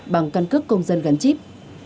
bằng căn cước công dân gắn chip